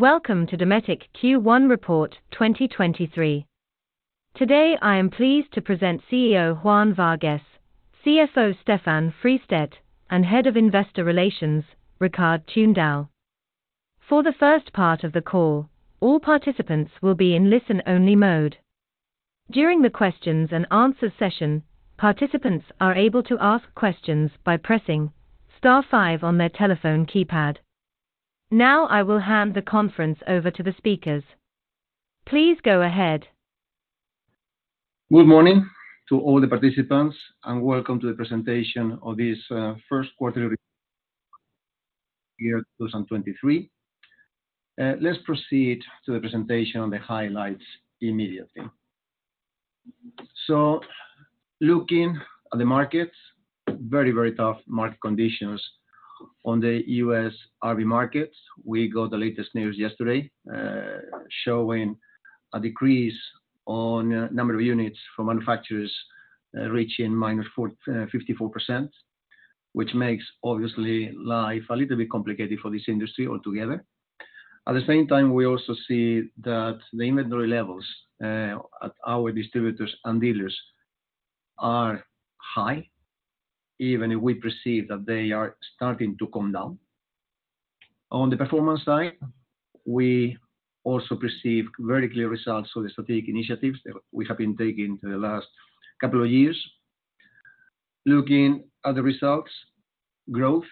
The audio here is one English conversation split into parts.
Welcome to Dometic Q1 Report 2023. Today, I am pleased to present CEO Juan Vargues, CFO Stefan Fristedt, and Head of Investor Relations, Rikard Tunedal. For the first part of the call, all participants will be in listen-only mode. During the questions and answer session, participants are able to ask questions by pressing star five on their telephone keypad. I will hand the conference over to the speakers. Please go ahead. Good morning to all the participants, and welcome to the presentation of this, first quarter of 2023. Let's proceed to the presentation on the highlights immediately. Looking at the markets, very, very tough market conditions on the U.S. RV markets. We got the latest news yesterday, showing a decrease on number of units for manufacturers, reaching -54%, which makes obviously life a little bit complicated for this industry altogether. The same time, we also see that the inventory levels, at our distributors and dealers are high, even if we perceive that they are starting to come down. The performance side, we also perceive very clear results for the strategic initiatives that we have been taking for the last couple of years. Looking at the results, growth,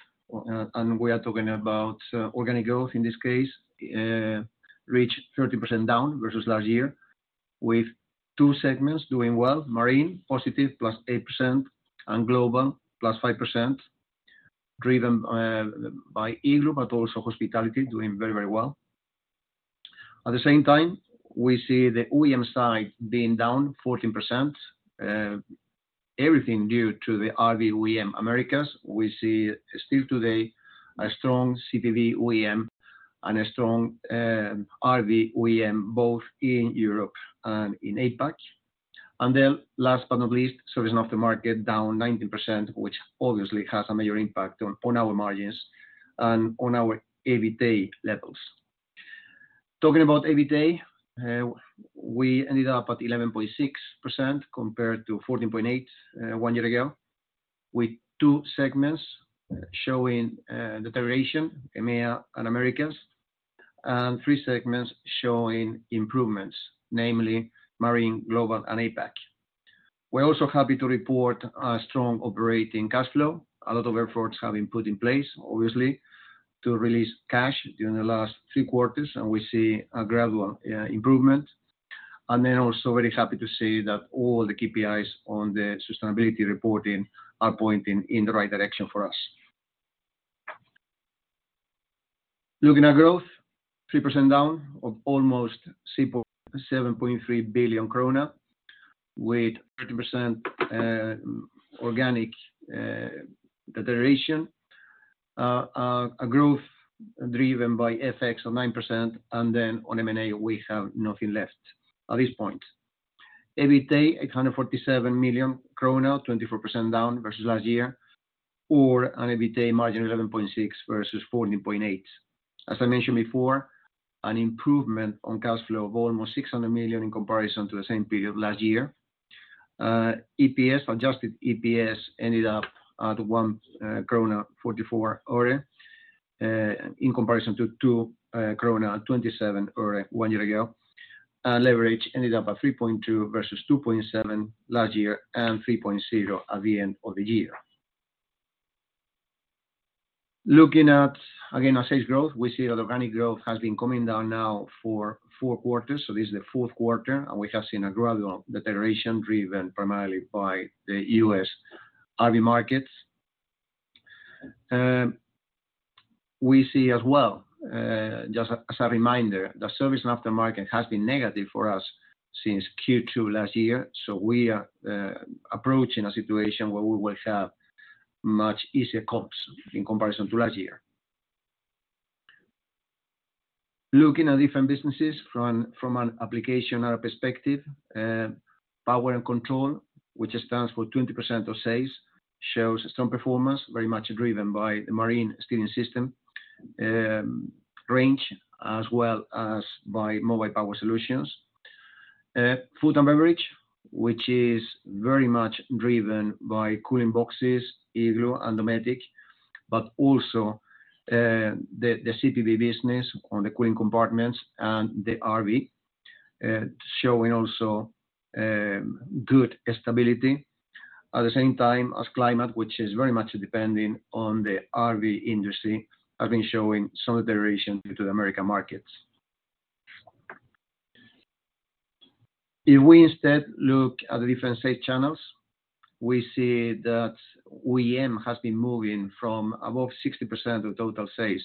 and we are talking about organic growth in this case, reached 30% down versus last year, with two segments doing well: Marine, +8%, and Global, +5%, driven by Igloo, but also Hospitality doing very, very well. At the same time, we see the OEM side being down 14%, everything due to the RV OEM Americas. We see still today a strong CPV OEM and a strong RV OEM, both in Europe and in APAC. Last but not least, Service and Aftermarket down 19%, which obviously has a major impact on our margins and on our EBITA levels. Talking about EBITA, we ended up at 11.6% compared to 14.8% one year ago, with two segments showing deterioration, EMEA and Americas, and three segments showing improvements, namely Marine, Global, and APAC. We're also happy to report a strong operating cash flow. A lot of efforts have been put in place, obviously, to release cash during the last three quarters, and we see a gradual improvement. Also very happy to see that all the KPIs on the sustainability reporting are pointing in the right direction for us. Looking at growth, 3% down of almost 7.3 billion krona, with 30% organic deterioration. A growth driven by FX of 9%, on M&A, we have nothing left at this point. EBITA, 847 million kronor, 24% down versus last year, or an EBITA margin 11.6% versus 14.8%. As I mentioned before, an improvement on cash flow of almost 600 million in comparison to the same period last year. EPS, adjusted EPS ended up at 1.44 krona in comparison to 2.27 krona one year ago. Leverage ended up at 3.2 versus 2.7 last year and 3.0 at the end of the year. Looking at, again, our sales growth, we see that organic growth has been coming down now for four quarters. This is the fourth quarter, and we have seen a gradual deterioration driven primarily by the U.S. RV markets. We see as well, just as a reminder, the service and aftermarket has been negative for us since Q2 last year. We are approaching a situation where we will have much easier comps in comparison to last year. Looking at different businesses from an application or a perspective, power and control, which stands for 20% of sales, shows some performance very much driven by the marine steering system range, as well as by Mobile Power Solutions. Food and beverage, which is very much driven by cooling boxes, Igloo and Dometic, but also the CPV business on the cooling compartments and the RV, showing also good stability. At the same time as climate, which is very much depending on the RV industry, have been showing some deterioration due to the American markets. If we instead look at the different sales channels, we see that OEM has been moving from above 60% of total sales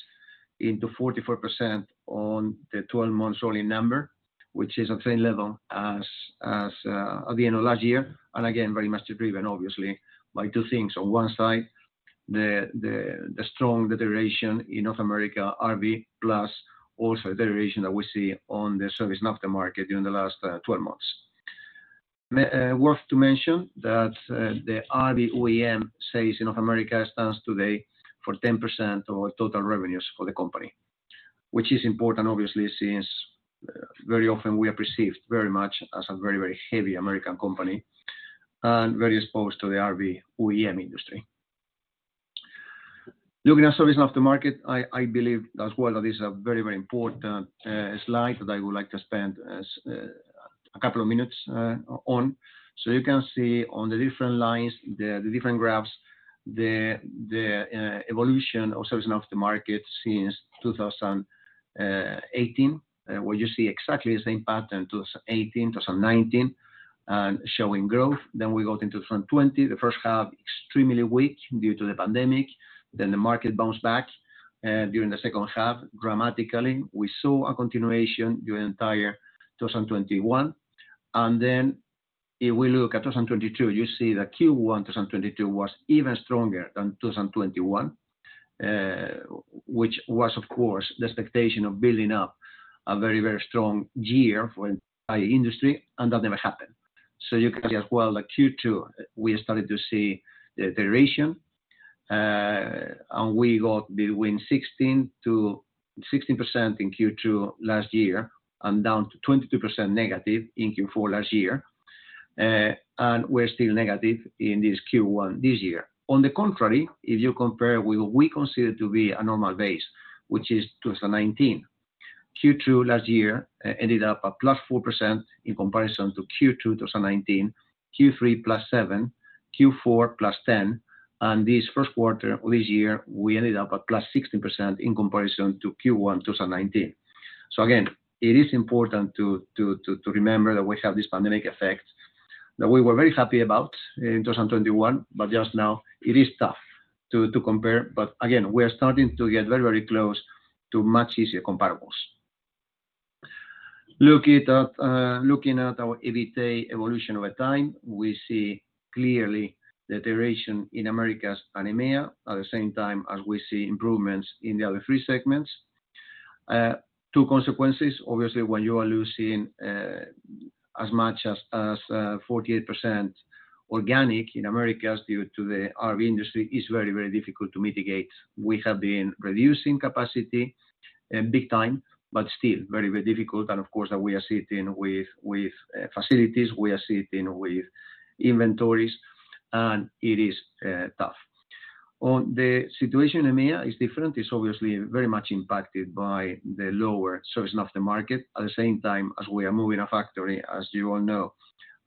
into 44% on the 12 months only number, which is the same level as, at the end of last year. Again, very much driven obviously by two things. On one side, the strong deterioration in North America RV plus also the deterioration that we see on the service and aftermarket during the last 12 months. Worth to mention that the RV OEM sales in North America stands today for 10% of total revenues for the company, which is important obviously, since very often we are perceived very much as a very, very heavy American company and very exposed to the RV OEM industry. Looking at service aftermarket, I believe as well that is a very, very important slide that I would like to spend a couple of minutes on. You can see on the different lines, the different graphs, the evolution of service aftermarket since 2018, where you see exactly the same pattern, 2018, 2019, and showing growth. We got into 2020, the first half extremely weak due to the pandemic. The market bounced back during the second half dramatically. We saw a continuation the entire 2021. If we look at 2022, you see that Q1 2022 was even stronger than 2021, which was, of course, the expectation of building up a very, very strong year for the entire industry, and that never happened. You can see as well that Q2, we started to see the deterioration, and we got between 16%-16% in Q2 last year and down to -22% in Q4 last year. We're still negative in this Q1 this year. On the contrary, if you compare with what we consider to be a normal base, which is 2019. Q2 last year ended up a +4% in comparison to Q2 2019, Q3 +7%, Q4 +10%, and this first quarter of this year, we ended up at +16% in comparison to Q1 2019. Again, it is important to remember that we have this pandemic effect that we were very happy about in 2021, just now it is tough to compare. Again, we are starting to get very, very close to much easier comparables. Looking at our EBITA evolution over time, we see clearly the deterioration in Americas and EMEA at the same time as we see improvements in the other three segments. Two consequences. Obviously, when you are losing as much as 48% organic in Americas due to the RV industry is very difficult to mitigate. We have been reducing capacity big time, but still very difficult and of course that we are sitting with facilities, we are sitting with inventories, and it is tough. On the situation, EMEA is different. It's obviously very much impacted by the lower service aftermarket. At the same time, as we are moving a factory, as you all know,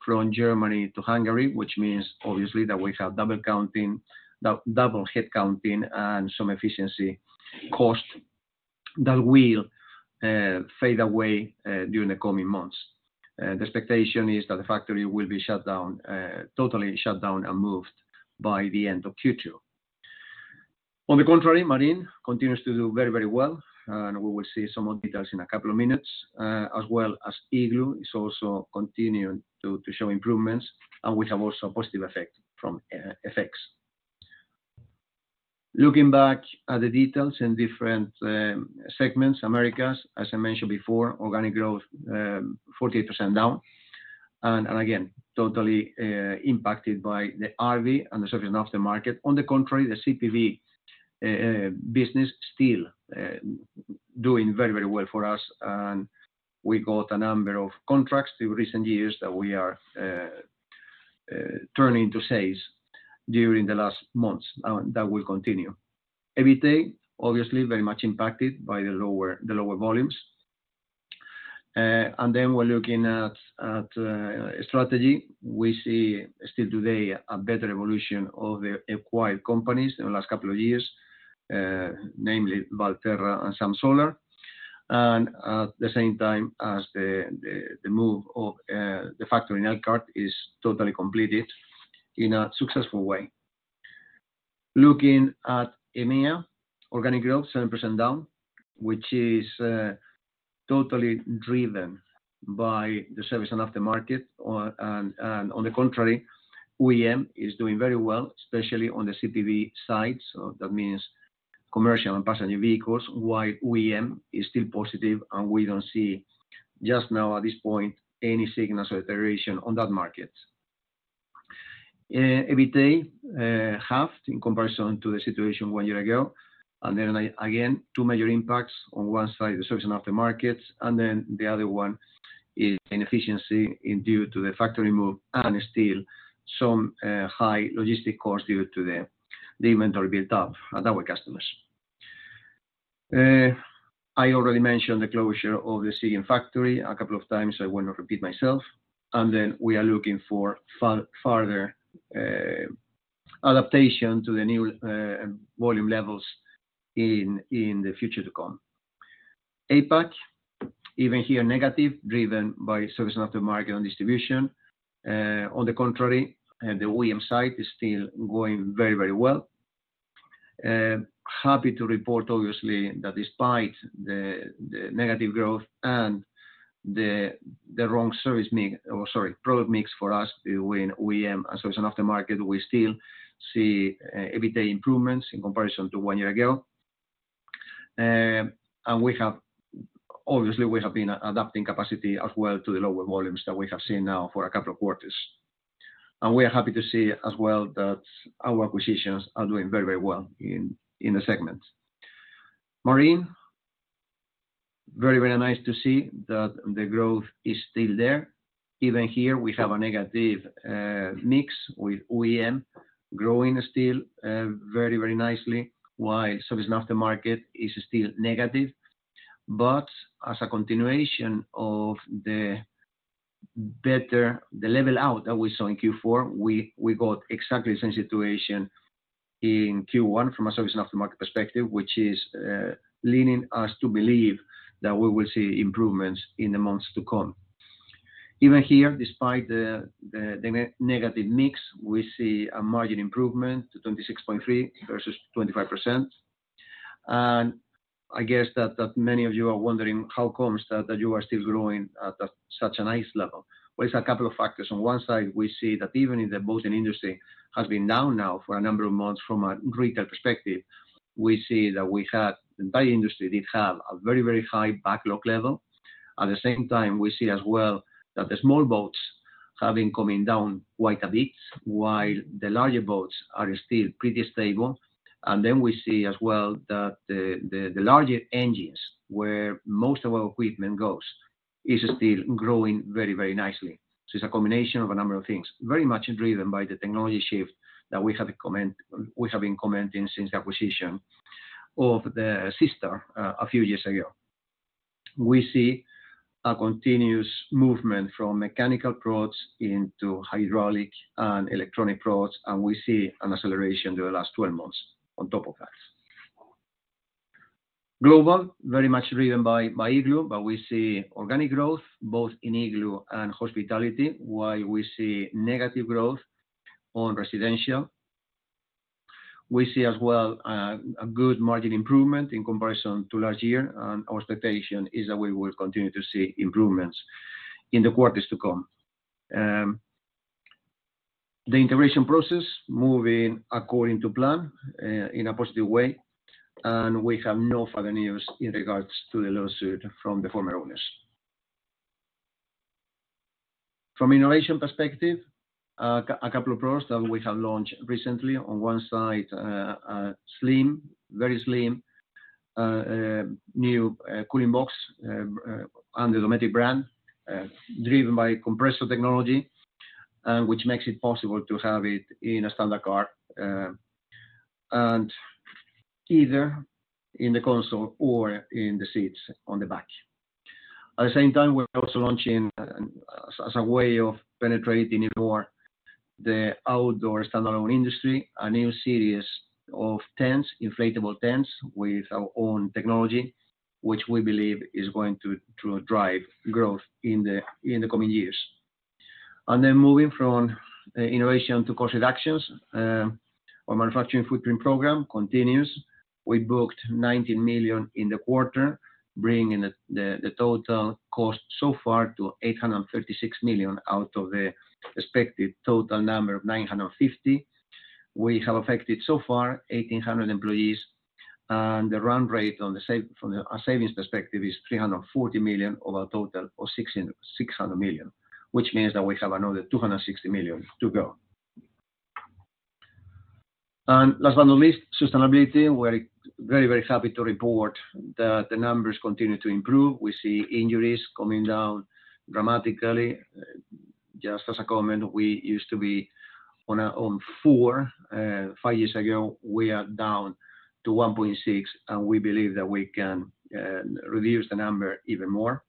from Germany to Hungary, which means obviously that we have double counting, double head counting and some efficiency costs that will fade away during the coming months. The expectation is that the factory will be shut down, totally shut down and moved by the end of Q2. On the contrary, Marine continues to do very, very well, and we will see some more details in a couple of minutes, as well as Igloo is also continuing to show improvements, and we have also a positive effect from FX. Looking back at the details in different segments, Americas, as I mentioned before, organic growth 48% down, and again, totally impacted by the RV and the service aftermarket. On the contrary, the CPV business still doing very, very well for us, and we got a number of contracts through recent years that we are turning to sales during the last months, and that will continue. EBITA, obviously very much impacted by the lower volumes. We're looking at strategy. We see still today a better evolution of the acquired companies in the last couple of years, namely Valterra and Zamp Solar. At the same time as the move of, the factory in Elkhart is totally completed in a successful way. Looking at EMEA, organic growth 7% down, which is totally driven by the service and aftermarket. On the contrary, OEM is doing very well, especially on the CPV side, so that means Commercial and Passenger Vehicles, while OEM is still positive and we don't see just now at this point any signals of deterioration on that market. EBITA, halved in comparison to the situation one year ago. Again, two major impacts. On one side, the service and aftermarkets, and then the other one is inefficiency due to the factory move and still some high logistic costs due to the inventory built up at our customers. I already mentioned the closure of the Siegen factory a couple of times, I will not repeat myself. We are looking for further adaptation to the new volume levels in the future to come. APAC, even here negative, driven by service aftermarket and distribution. On the contrary, the OEM side is still going very, very well. Happy to report obviously that despite the negative growth and the wrong service or sorry, product mix for us within OEM and service aftermarket, we still see EBITA improvements in comparison to one year ago. We have obviously, we have been adapting capacity as well to the lower volumes that we have seen now for a couple of quarters. We are happy to see as well that our acquisitions are doing very, very well in the segment. Marine, very, very nice to see that the growth is still there. Even here we have a negative mix with OEM growing still very, very nicely while service aftermarket is still negative. As a continuation of the better level out that we saw in Q4, we got exactly the same situation in Q1 from a service and aftermarket perspective, which is leaning us to believe that we will see improvements in the months to come. Even here, despite the negative mix, we see a margin improvement to 26.3% versus 25%. I guess that many of you are wondering how comes that you are still growing at a such a nice level. Well, it's a couple of factors. On one side, we see that even in the boating industry has been down now for a number of months from a retail perspective, we see that we had the entire industry did have a very high backlog level. At the same time, we see as well that the small boats have been coming down quite a bit while the larger boats are still pretty stable. We see as well that the larger engines, where most of our equipment goes, is still growing very, very nicely. It's a combination of a number of things, very much driven by the technology shift that we have been commenting since the acquisition of the SeaStar a few years ago. We see a continuous movement from mechanical products into hydraulic and electronic products, and we see an acceleration over the last 12 months on top of that. Global, very much driven by Igloo, but we see organic growth both in Igloo and hospitality while we see negative growth on residential. We see as well, a good margin improvement in comparison to last year. Our expectation is that we will continue to see improvements in the quarters to come. The integration process moving according to plan, in a positive way. We have no further news in regards to the lawsuit from the former owners. From innovation perspective, a couple of products that we have launched recently. On one side, a slim, very slim, new cooling box under Dometic brand, driven by compressor technology, which makes it possible to have it in a standard car, and either in the console or in the seats on the back. At the same time, we're also launching as a way of penetrating it more the outdoor standalone industry, a new series of tents, inflatable tents with our own technology, which we believe is going to drive growth in the coming years. Moving from innovation to cost reductions, our manufacturing footprint program continues. We booked 19 million in the quarter, bringing the total cost so far to 836 million out of the expected total number of 950 million. We have affected so far 1,800 employees, and the run rate on the savings perspective is 340 million of a total of 600 million, which means that we have another 260 million to go. Last but not least, sustainability. We're very, very happy to report that the numbers continue to improve. We see injuries coming down dramatically. Just as a comment, we used to be on four, five years ago. We are down to 1.6, and we believe that we can reduce the number even more.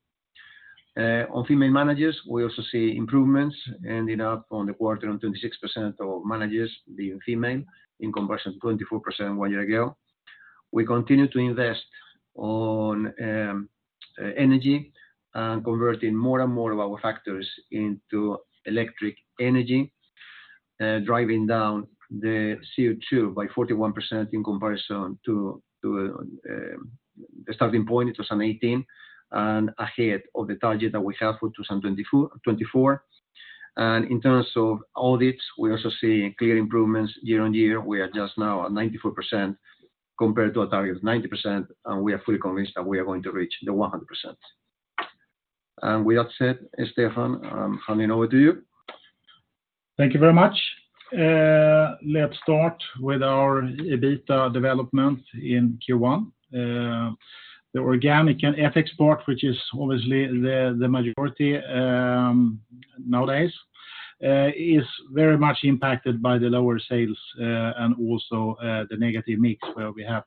On female managers, we also see improvements ending up on the quarter on 26% of managers being female in comparison to 24% one year ago. We continue to invest on energy and converting more and more of our factories into electric energy, driving down the CO2 by 41% in comparison to the starting point in 2018 and ahead of the target that we have for 2024. In terms of audits, we're also seeing clear improvements year-over-year. We are just now at 94% compared to a target of 90%. We are fully convinced that we are going to reach the 100%. With that said, Stefan, I'm handing over to you. Thank you very much. Let's start with our EBITDA development in Q1. The organic and FX part, which is obviously the majority nowadays, is very much impacted by the lower sales and also the negative mix where we have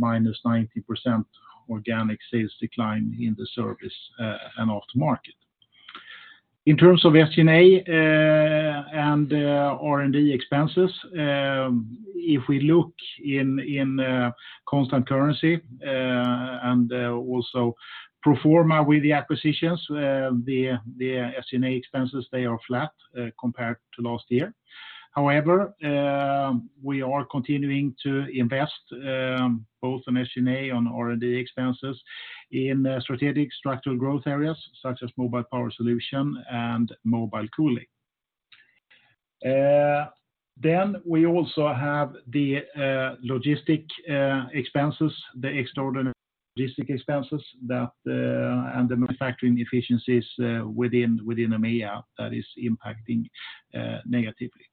-90% organic sales decline in the service and aftermarket. In terms of S&A and R&D expenses, if we look in constant currency and also pro forma with the acquisitions, the S&A expenses, they are flat compared to last year. However, we are continuing to invest both on S&A on R&D expenses in strategic structural growth areas such as Mobile Power Solutions and Mobile Cooling. We also have the logistic expenses, the extraordinary logistic expenses that and the manufacturing efficiencies within EMEA that is impacting negatively.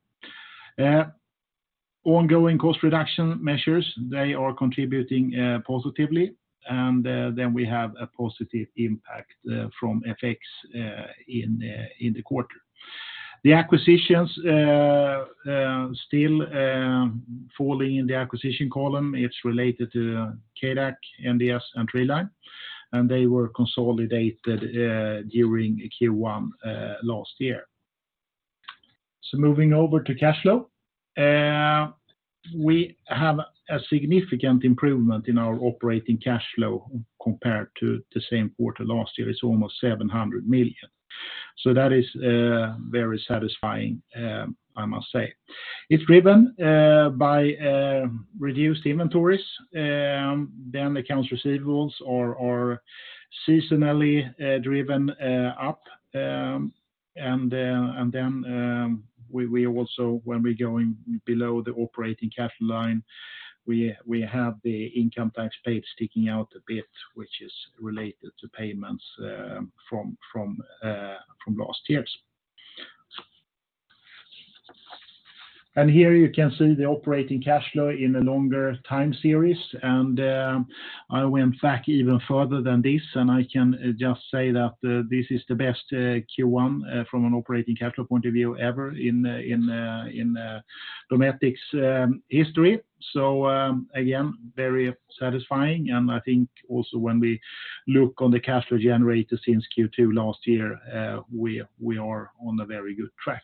Ongoing cost reduction measures, they are contributing positively. We have a positive impact from FX in in the quarter. The acquisitions still falling in the acquisition column. It's related to Cadac, NDS, and TriLine, and they were consolidated during Q1 last year. Moving over to cash flow. We have a significant improvement in our operating cash flow compared to the same quarter last year. It's almost 700 million. That is very satisfying, I must say. It's driven by reduced inventories. Then accounts receivables are seasonally driven up. And then we also, when we're going below the operating cash line, we have the income tax paid sticking out a bit, which is related to payments from last year's. Here you can see the operating cash flow in a longer time series. I went back even further than this, and I can just say that this is the best Q1 from an operating cash flow point of view ever in Dometic's history. Again, very satisfying. I think also when we look on the cash flow generator since Q2 last year, we are on a very good track.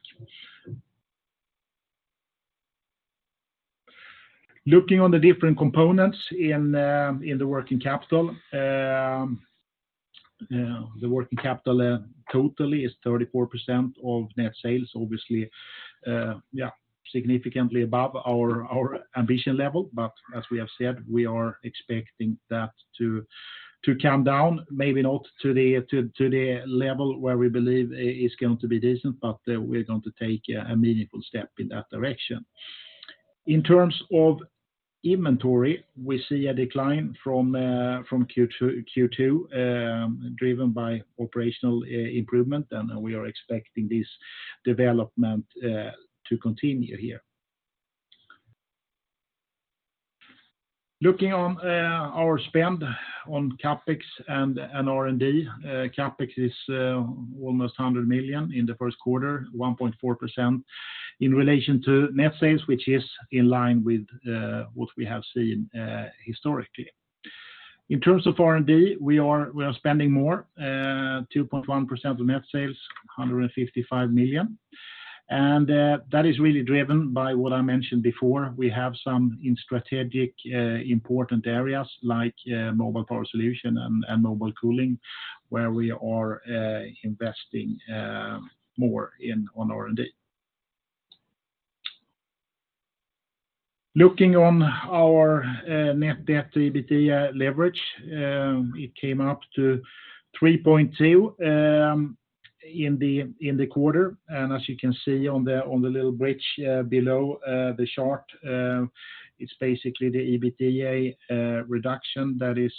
Looking on the different components in the working capital. The working capital totally is 34% of net sales, obviously, significantly above our ambition level. As we have said, we are expecting that to come down, maybe not to the level where we believe it's going to be decent, but we're going to take a meaningful step in that direction. In terms of inventory, we see a decline from Q2, driven by operational improvement, and we are expecting this development to continue here. Looking on our spend on CapEx and R&D, CapEx is almost 100 million in the first quarter, 1.4% in relation to net sales, which is in line with what we have seen historically. In terms of R&D, we are spending more, 2.1% of net sales, 155 million. That is really driven by what I mentioned before. We have some in strategic important areas like Mobile Power Solutions and Mobile Cooling, where we are investing more in on R&D. Looking on our net debt to EBITA leverage, it came up to 3.2% in the quarter. As you can see on the little bridge below the chart, it's basically the EBITA reduction that is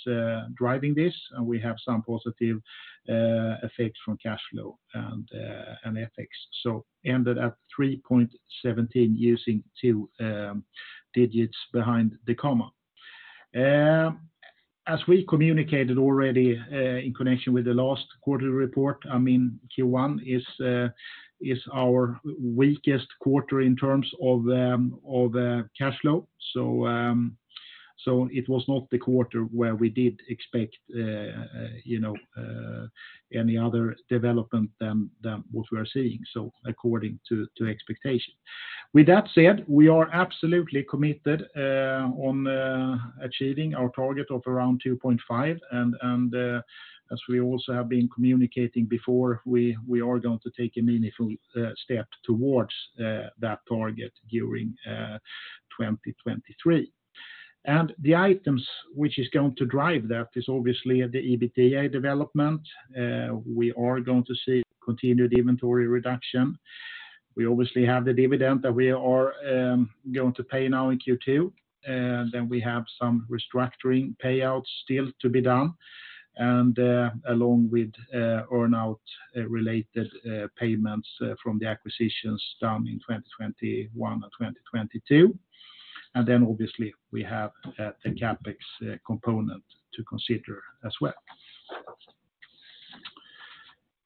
driving this. We have some positive effects from cash flow and FX. Ended at 3.17% using two digits behind the comma. As we communicated already, in connection with the last quarter report, I mean Q1 is our weakest quarter in terms of cash flow. It was not the quarter where we did expect any other development than what we are seeing, according to expectation. With that said, we are absolutely committed on achieving our target of around 2.5%. As we also have been communicating before, we are going to take a meaningful step towards that target during 2023. The items which is going to drive that is obviously the EBITA development. We are going to see continued inventory reduction. We obviously have the dividend that we are going to pay now in Q2. We have some restructuring payouts still to be done and along with earn-out related payments from the acquisitions done in 2021 and 2022. Obviously we have the CapEx component to consider as well.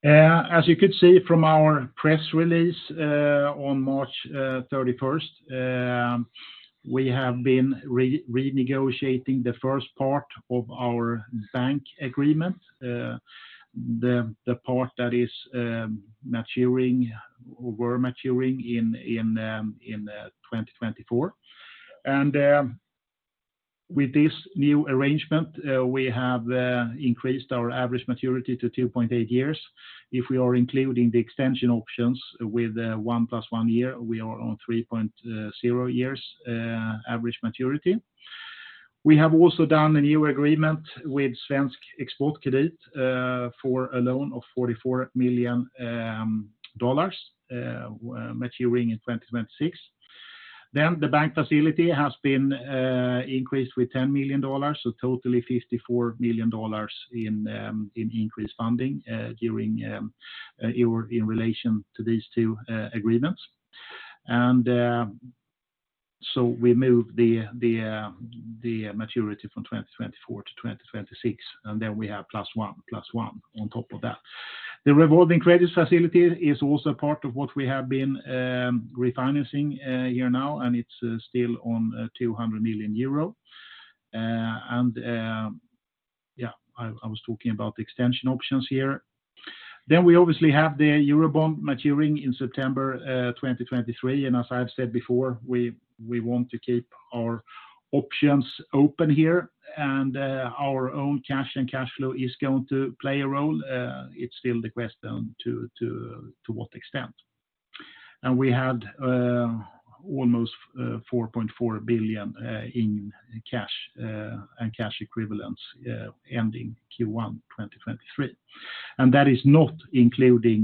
As you could see from our press release on March 31st, we have been renegotiating the first part of our bank agreement, the part that is maturing or were maturing in 2024. With this new arrangement, we have increased our average maturity to 2.8 years. If we are including the extension options with 1 + 1 year, we are on 3.0 years average maturity. We have also done a new agreement with Svensk Exportkredit for a loan of $44 million maturing in 2026. The bank facility has been increased with $10 million, so totally $54 million in increased funding during or in relation to these two agreements. We moved the maturity from 2024-2026, and then we have + 1, + 1 on top of that. The revolving credit facility is also part of what we have been refinancing here now, and it's still on 200 million euro. I was talking about the extension options here. We obviously have the Eurobond maturing in September 2023. As I have said before, we want to keep our options open here and our own cash and cash flow is going to play a role. It's still the question to what extent. We had almost 4.4 billion in cash and cash equivalents ending Q1 2023. That is not including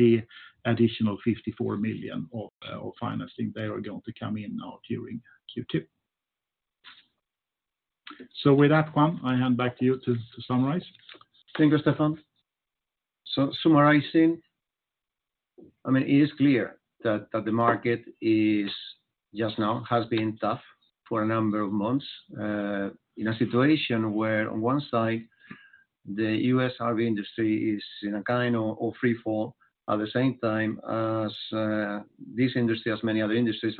the additional 54 million of financing. They are going to come in now during Q2. With that, Juan, I hand back to you to summarize. Thank you, Stefan. Summarizing, I mean, it is clear that the market is just now has been tough for a number of months in a situation where on one side, the U.S. RV industry is in a kind of free fall at the same time as this industry as many other industries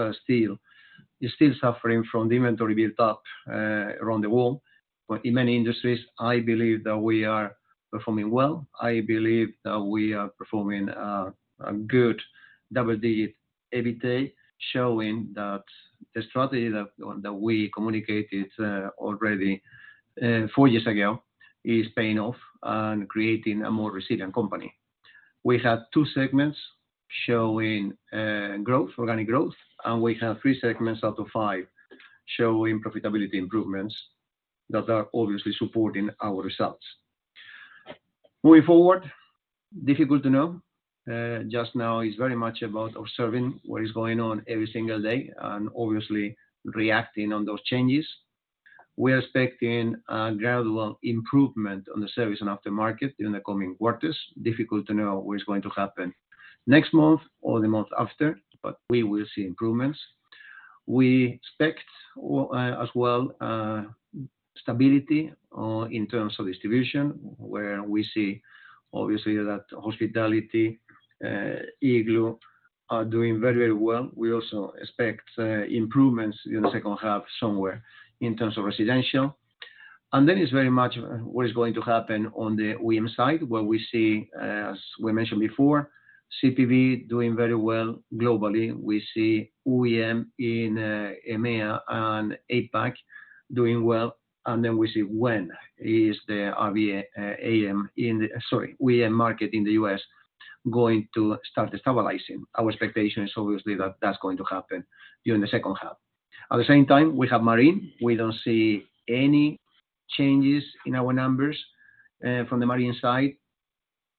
is still suffering from the inventory built up around the world. In many industries, I believe that we are performing well. I believe that we are performing a good double-digit EBITA, showing that the strategy that we communicated already four years ago is paying off and creating a more resilient company. We have two segments showing growth, organic growth, and we have three segments out of five showing profitability improvements that are obviously supporting our results. Moving forward, difficult to know. Just now it's very much about observing what is going on every single day and obviously reacting on those changes. We're expecting a gradual improvement on the service and aftermarket in the coming quarters. Difficult to know what is going to happen next month or the month after, but we will see improvements. We expect as well stability in terms of distribution, where we see obviously that hospitality, Igloo are doing very, very well. We also expect improvements in the second half somewhere in terms of residential. Then it's very much what is going to happen on the OEM side, where we see, as we mentioned before, CPV doing very well globally. We see OEM in EMEA and APAC doing well, and then we see when is the RV AM Sorry, OEM market in the U.S. going to start stabilizing. Our expectation is obviously that that's going to happen during the second half. At the same time, we have Marine. We don't see any changes in our numbers from the Marine side.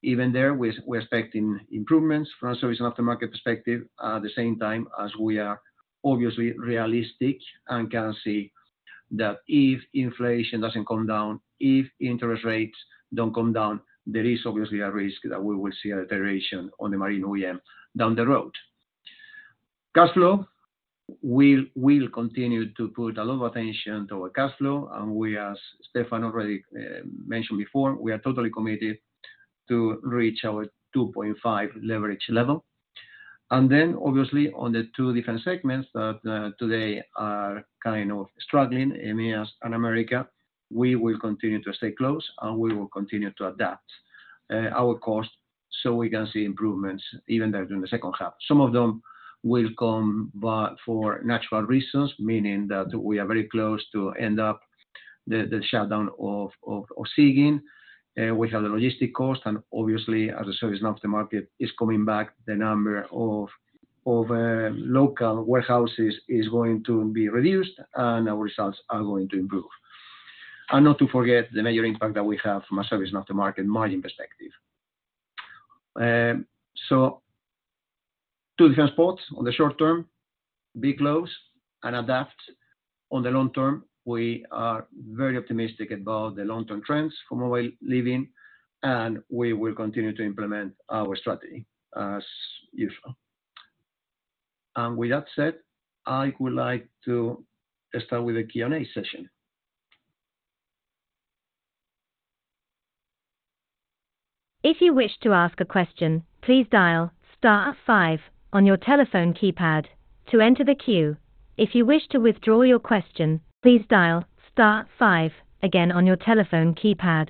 Even there, we're expecting improvements from a service and aftermarket perspective. At the same time as we are obviously realistic and can see that if inflation doesn't come down, if interest rates don't come down, there is obviously a risk that we will see a deterioration on the Marine OEM down the road. Cash flow. We will continue to put a lot of attention to our cash flow. We as Stefan already mentioned before, we are totally committed to reach our 2.5% leverage level. Obviously on the two different segments that today are kind of struggling, EMEA and America, we will continue to stay close, and we will continue to adapt our costs so we can see improvements even there during the second half. Some of them will come by for natural reasons, meaning that we are very close to end up the shutdown of Siegen. We have the logistic cost and obviously as a service and aftermarket is coming back, the number of local warehouses is going to be reduced and our results are going to improve. Not to forget the major impact that we have from a service and aftermarket margin perspective. So two different spots. On the short term, be close and adapt. On the long term, we are very optimistic about the long-term trends for mobile living, we will continue to implement our strategy as usual. With that said, I would like to start with the Q&A session. If you wish to ask a question, please dial star five on your telephone keypad to enter the queue. If you wish to withdraw your question, please dial star five again on your telephone keypad.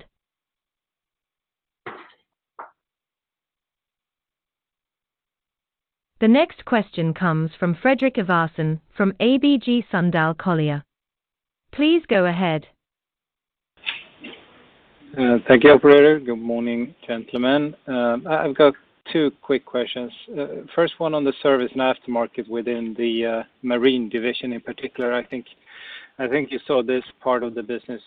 The next question comes from Fredrik Ivarsson from ABG Sundal Collier. Please go ahead. Thank you, operator. Good morning, gentlemen. I've got two quick questions. First one on the service aftermarket within the Marine division in particular. I think you saw this part of the business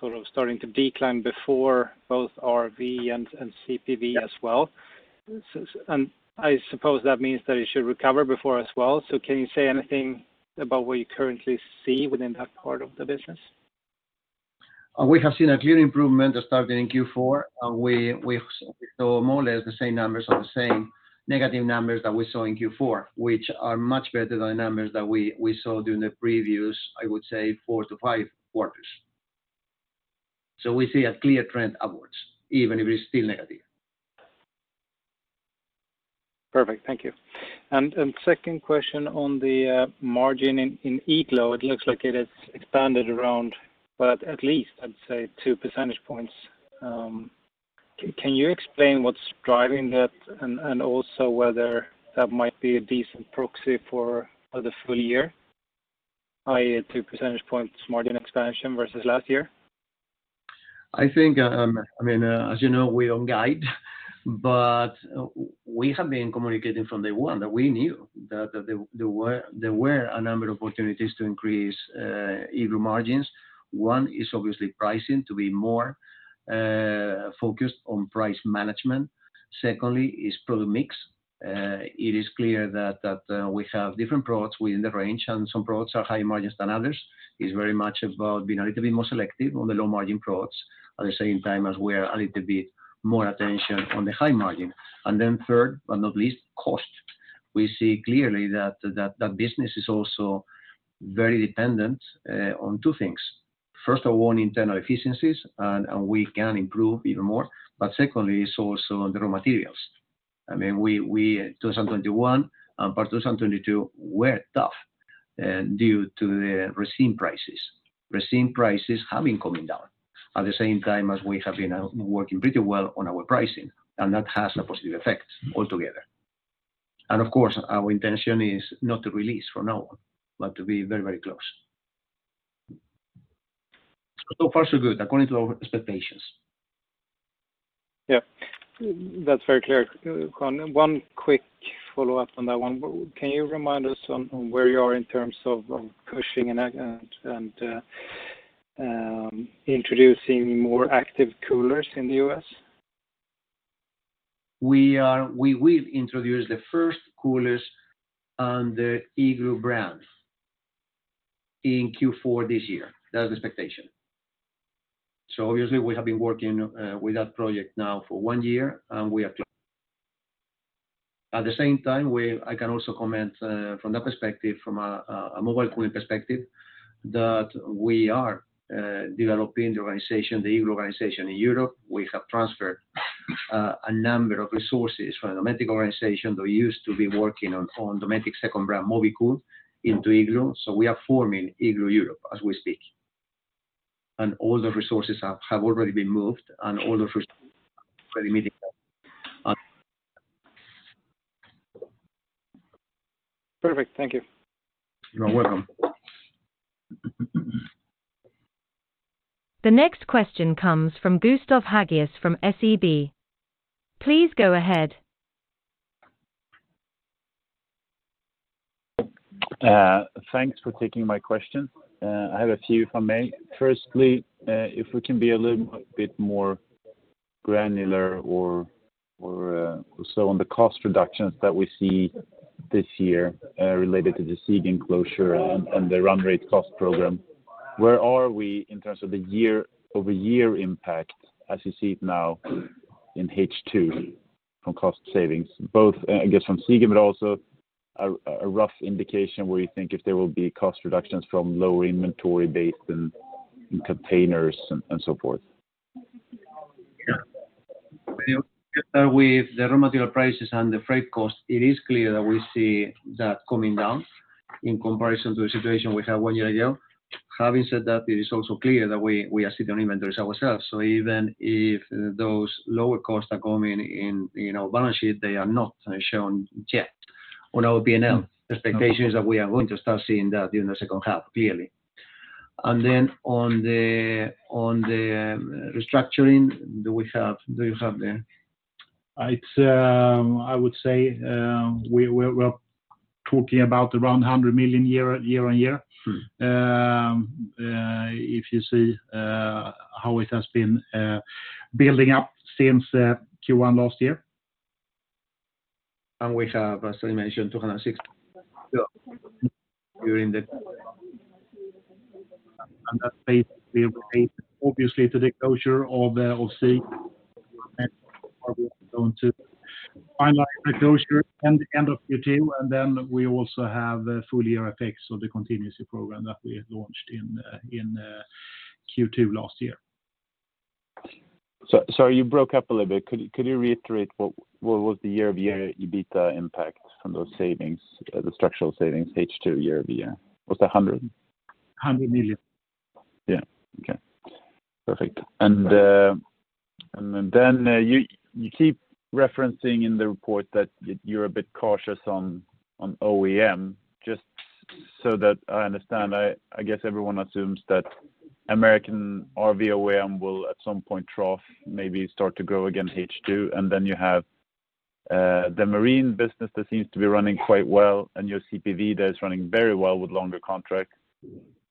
sort of starting to decline before both RV and CPV as well. I suppose that means that it should recover before as well. Can you say anything about what you currently see within that part of the business? We have seen a clear improvement that started in Q4. We saw more or less the same numbers or the same negative numbers that we saw in Q4, which are much better than the numbers that we saw during the previous, I would say, four to five quarters. We see a clear trend upwards, even if it's still negative. Perfect. Thank you. Second question on the margin in Igloo. It looks like it has expanded around, but at least I'd say two percentage points. Can you explain what's driving that and also whether that might be a decent proxy for the full year, i.e., two percentage points margin expansion versus last year? I think, I mean, as you know, we don't guide, but we have been communicating from day one that we knew that there were a number of opportunities to increase Igloo margins. One is obviously pricing to be more focused on price management. Secondly is product mix. It is clear that we have different products within the range, and some products are higher margins than others. It's very much about being a little bit more selective on the low margin products at the same time as we're a little bit more attention on the high margin. Third, but not least, cost. We see clearly that business is also very dependent on two things. First of all, internal efficiencies, and we can improve even more. Secondly, it's also the raw materials. I mean, we 2021 and part of 2022 were tough due to the resin prices. Resin prices have been coming down at the same time as we have been working pretty well on our pricing, and that has a positive effect altogether. Of course, our intention is not to release from now on, but to be very, very close. Far, so good, according to our expectations. Yeah. That's very clear, Juan. One quick follow-up on that one. Can you remind us on where you are in terms of Cushing and introducing more active coolers in the U.S.? We will introduce the first coolers on the Igloo brand in Q4 this year. That's the expectation. Obviously, we have been working with that project now for one year. At the same time, I can also comment from that perspective, from a Mobile Cooling perspective, that we are developing the organization, the Igloo organization in Europe. We have transferred a number of resources from the Dometic organization that used to be working on Dometic second brand, Mobicool, into Igloo. We are forming Igloo Europe as we speak. All the resources have already been moved and all the first preliminary. Perfect. Thank you. You are welcome. The next question comes from Gustav Sandström from SEB. Please go ahead. Thanks for taking my question. I have a few, if I may. Firstly, if we can be a little bit more granular or, so on the cost reductions that we see this year, related to the Siegen closure and the run rate cost program, where are we in terms of the year-over-year impact as you see it now in H2 from cost savings, both, I guess, from Siegen, but also a rough indication where you think if there will be cost reductions from lower inventory base and containers and so forth? With the raw material prices and the freight costs, it is clear that we see that coming down in comparison to the situation we had one year ago. Having said that, it is also clear that we are sitting on inventories ourselves. Even if those lower costs are coming in, you know, balance sheet, they are not shown yet on our P&L. Expectations are we are going to start seeing that during the second half clearly. On the restructuring, do you have the? It's I would say we're talking about around 100 million year on year. Mm-hmm. If you see how it has been building up since Q1 last year. We have, as I mentioned, [inaudible] during the. That's basically related obviously to the closure of. [inaudible] We are going to finalize the closure end of Q2, and then we also have the full year effects of the contingency program that we launched in Q2 last year. You broke up a little bit. Could you reiterate what was the year-over-year EBITDA impact from those savings, the structural savings H2 year-over-year? Was it 100 million? 100 million. Yeah. Okay. Perfect. Then, you keep referencing in the report that you're a bit cautious on OEM. Just so that I understand, I guess everyone assumes that American RV OEM will at some point trough maybe start to grow again H2, and then you have the Marine business that seems to be running quite well and your CPV that is running very well with longer contract.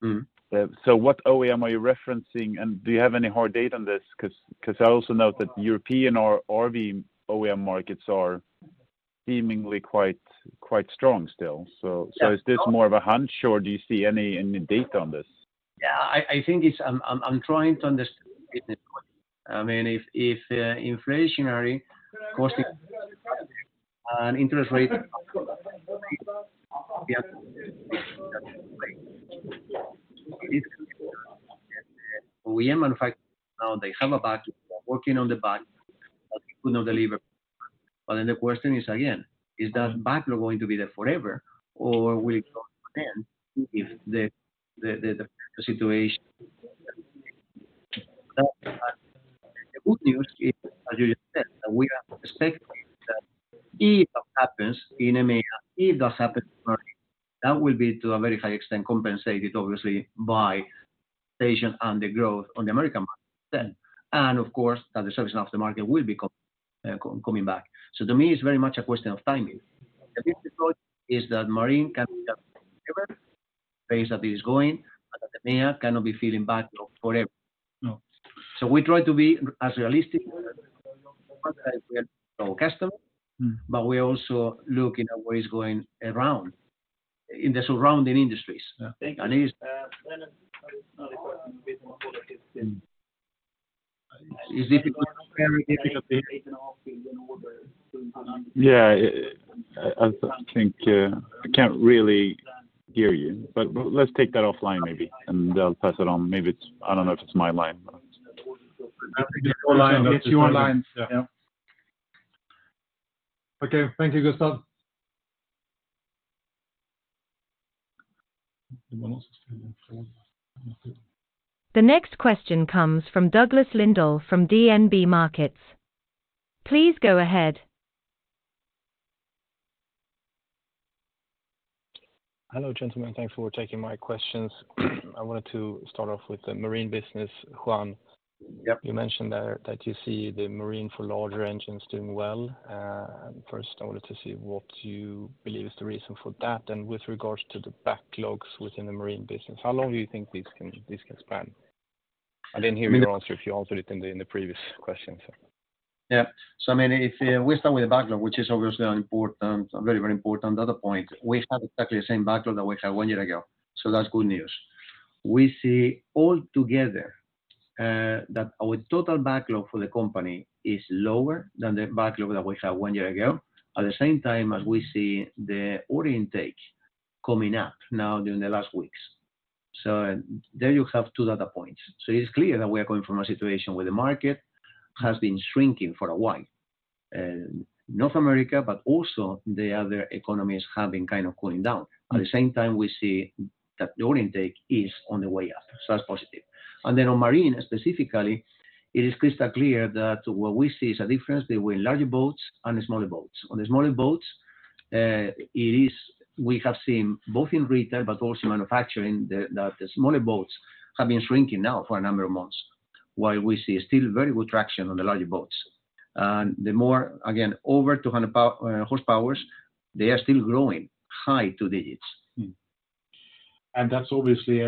Mm-hmm. What OEM are you referencing, and do you have any hard data on this? Cause I also note that European or RV OEM markets are seemingly quite strong still. Yeah. Is this more of a hunch or do you see any data on this? Yeah, I think it's I'm trying to understand it. I mean, if inflationary costing and interest rates OEM manufacturer, they have a backlog, working on the backlog, but you could not deliver. The question is again, is that backlog going to be there forever or will it go away if the situation. The good news is, as you just said, that we are expecting that if that happens in EMEA, if that happens in America, that will be to a very high extent compensated obviously by Asian and the growth on the American market then, that the service and aftermarket will be coming back. To me, it's very much a question of timing. The difficulty is that Marine can be just forever pace that it is going, and that EMEA cannot be feeling backlog forever. No. We try to be as realistic. [inaudible] Mm. We're also looking at what is going around, in the surrounding industries. Yeah. It's difficult. Very difficult to... Yeah. I think, I can't really hear you, but let's take that offline maybe and I'll pass it on. Maybe it's. I don't know if it's my line. I think it's your line. It's your line. Yeah. Okay. Thank you, Gustav. The next question comes from Douglas Lindahl from DNB Markets. Please go ahead. Hello, gentlemen. Thanks for taking my questions. I wanted to start off with the Marine business. Juan. Yep. You mentioned that you see the Marine for larger engines doing well. First I wanted to see what you believe is the reason for that. With regards to the backlogs within the Marine business, how long do you think this can span? I didn't hear your answer if you answered it in the previous question. I mean, if we start with the backlog, which is obviously a very important other point. We have exactly the same backlog that we had one year ago. That's good news. We see altogether that our total backlog for the company is lower than the backlog that we had one year ago. At the same time as we see the order intake coming up now during the last weeks. There you have two data points. It's clear that we are coming from a situation where the market has been shrinking for a while. North America, but also the other economies have been kind of cooling down. At the same time we see that the order intake is on the way up. That's positive. On Marine specifically, it is crystal clear that what we see is a difference between larger boats and the smaller boats. On the smaller boats, we have seen both in retail but also manufacturing that the smaller boats have been shrinking now for a number of months, while we see still very good traction on the larger boats. The more, again, over 200 horsepowers, they are still growing high two digits. Mm. That's obviously,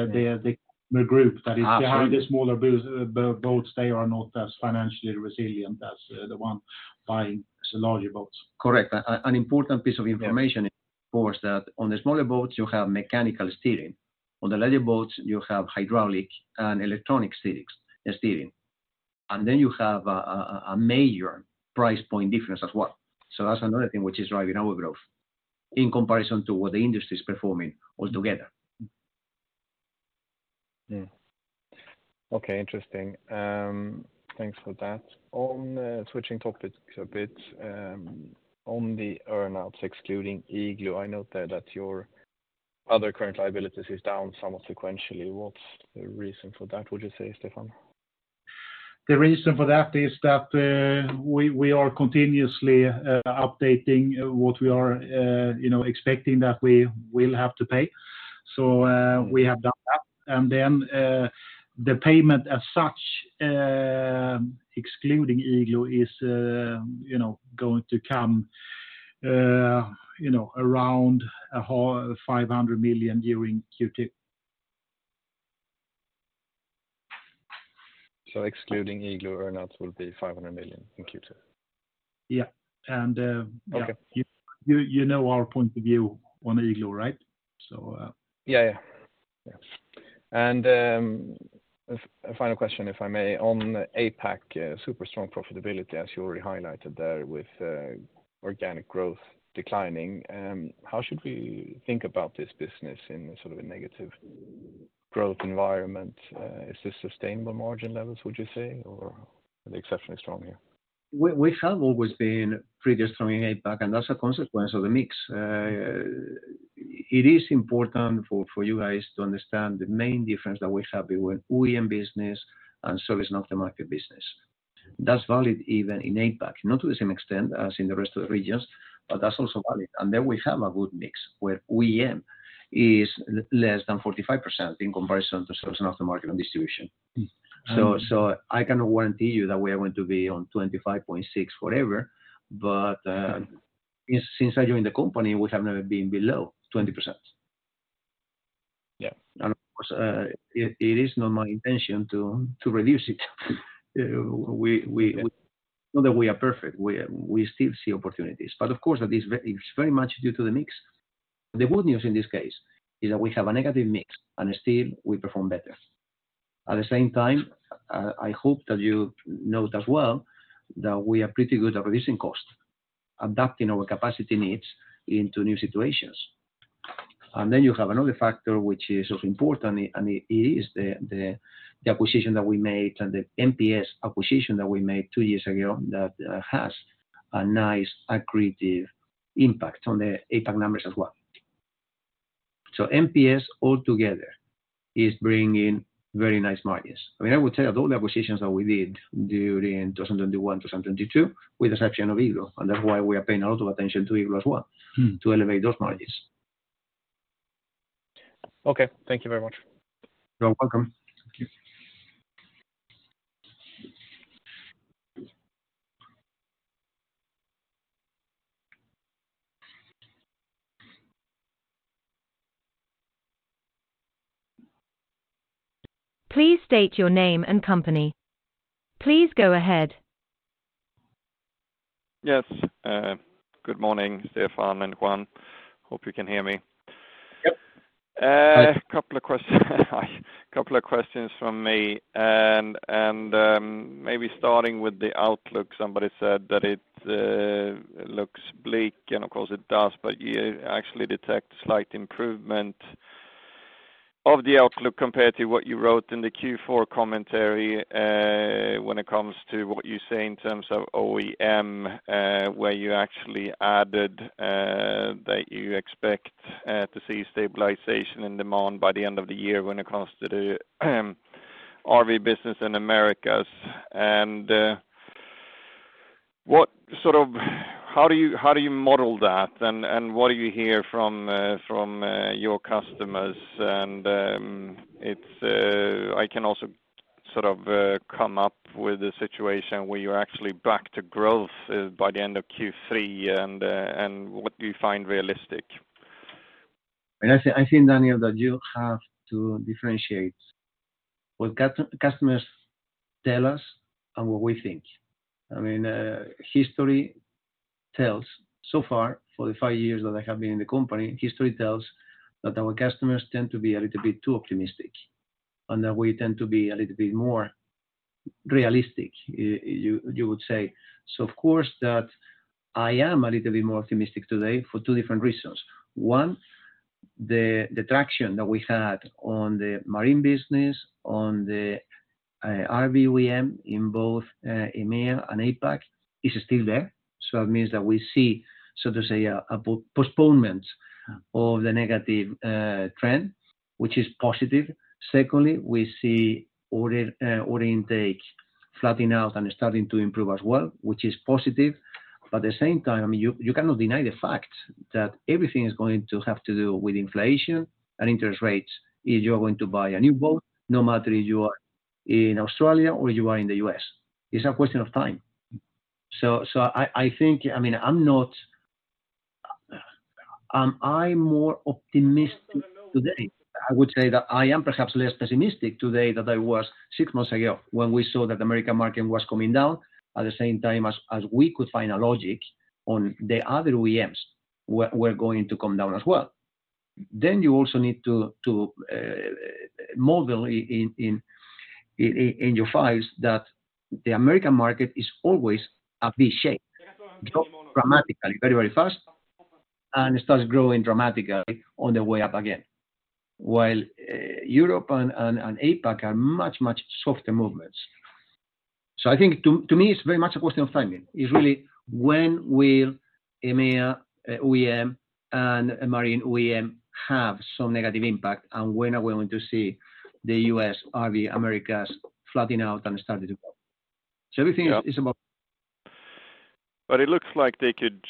the group that. Absolutely. Behind the smaller boats, they are not as financially resilient as the one buying the larger boats. Correct. An important piece of information of course that on the smaller boats you have mechanical steering. On the larger boats, you have hydraulic and electronic steering. You have a major price point difference as well. That's another thing which is driving our growth in comparison to what the industry is performing altogether. Mm. Yeah. Okay. Interesting. Thanks for that. On switching topics a bit, on the earn outs, excluding Igloo. I note that your other current liabilities is down somewhat sequentially. What's the reason for that, would you say, Stefan? The reason for that is that, we are continuously, updating, what we are, you know, expecting that we will have to pay. We have done that. The payment as such, excluding Igloo is, you know, going to come, you know, around a whole 500 million during Q2. Excluding Igloo, earn outs will be 500 million in Q2? Yeah. Okay. You know our point of view on Igloo, right? Yeah, yeah. Yeah. A final question, if I may. On APAC, super strong profitability, as you already highlighted there with organic growth declining, how should we think about this business in sort of a negative growth environment? Is this sustainable margin levels, would you say, or are they exceptionally strong here? We have always been pretty strong in APAC, that's a consequence of the mix. It is important for you guys to understand the main difference that we have with OEM business and service aftermarket business. That's valid even in APAC, not to the same extent as in the rest of the regions, but that's also valid. Then we have a good mix where OEM is less than 45% in comparison to service aftermarket and distribution. Mm. I cannot guarantee you that we are going to be on 25.6% forever. Since I joined the company, we have never been below 20%. Yeah. Of course, it is not my intention to reduce it. We know that we are perfect. We still see opportunities, of course that is it's very much due to the mix. The good news in this case is that we have a negative mix, still we perform better. At the same time, I hope that you note as well that we are pretty good at reducing cost, adapting our capacity needs into new situations. You have another factor which is of important, and it is the acquisition that we made and the MPS acquisition that we made two years ago that has a nice accretive impact on the APAC numbers as well. MPS altogether is bringing very nice margins. I mean, I would tell you all the acquisitions that we did during 2021, 2022 with exception of Igloo, and that's why we are paying a lot of attention to Igloo as well. Mm. to elevate those margins. Okay. Thank you very much. You're welcome. Thank you. Please state your name and company. Please go ahead. Yes. Good morning, Stefan and Juan. Hope you can hear me. Yep. Couple of questions. Hi. Couple of questions from me and, maybe starting with the outlook, somebody said that it looks bleak, and of course it does, but you actually detect slight improvement of the outlook compared to what you wrote in the Q4 commentary, when it comes to what you say in terms of OEM, where you actually added that you expect to see stabilization in demand by the end of the year when it comes to the RV business in Americas. What sort of how do you model that and what do you hear from your customers? It's, I can also sort of come up with a situation where you're actually back to growth by the end of Q3, and what do you find realistic? I think, Daniel, that you have to differentiate what customers tell us and what we think. I mean, history tells so far, for the five years that I have been in the company, history tells that our customers tend to be a little bit too optimistic, and that we tend to be a little bit more realistic, you would say. Of course that I am a little bit more optimistic today for two different reasons. One, the traction that we had on the Marine business, on the RV OEM in both EMEA and APAC is still there. That means that we see, so to say, a postponement of the negative trend, which is positive. Secondly, we see order intake flattening out and starting to improve as well, which is positive. At the same time, you cannot deny the fact that everything is going to have to do with inflation and interest rates if you're going to buy a new boat, no matter you are in Australia or you are in the U.S. It's a question of time. I think, I mean, I'm not, I'm more optimistic today. I would say that I am perhaps less pessimistic today than I was six months ago when we saw that the American market was coming down at the same time as we could find a logic on the other OEMs were going to come down as well. You also need to model in your files that the American market is always a V-shape. It drops dramatically, very fast, and it starts growing dramatically on the way up again. Europe and APAC are much softer movements. I think to me, it's very much a question of timing. It's really when will EMEA OEM and Marine OEM have some negative impact, and when are we going to see the U.S. RV Americas flattening out and starting to go up. Everything is about... It looks like they could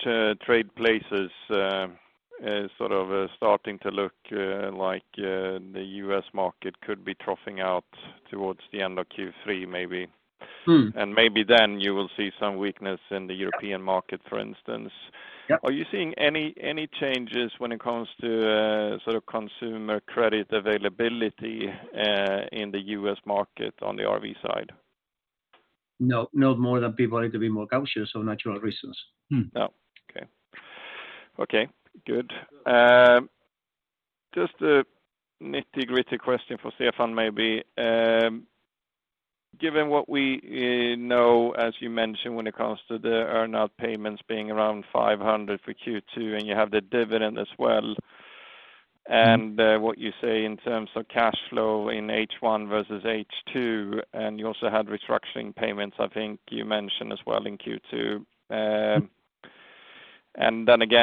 trade places, sort of starting to look like the U.S. market could be troughing out towards the end of Q3, maybe. Mm. Maybe then you will see some weakness in the European market, for instance. Yeah. Are you seeing any changes when it comes to sort of consumer credit availability in the U.S. market on the RV side? No, not more than people are a little bit more cautious for natural reasons. Oh, okay. Okay, good. Just a nitty-gritty question for Stefan, maybe. Given what we know, as you mentioned, when it comes to the earn-out payments being around 500 million for Q2, and you have the dividend as well, and what you say in terms of cash flow in H1 versus H2, and you also had restructuring payments, I think you mentioned as well in Q2.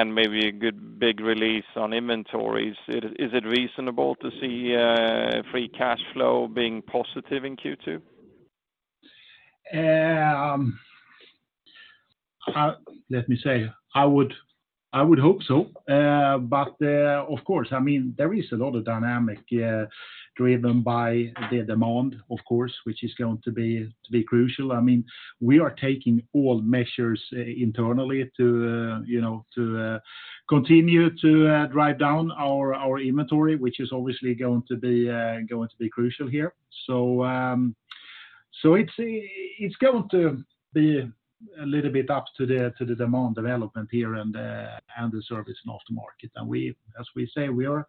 Maybe a good big release on inventories. Is it reasonable to see free cash flow being positive in Q2? Let me say, I would hope so. Of course, I mean, there is a lot of dynamic, driven by the demand of course, which is going to be crucial. I mean, we are taking all measures internally to, you know, to continue to drive down our inventory, which is obviously going to be crucial here. It's going to be a little bit up to the demand development here and the service in aftermarket. We, as we say, we are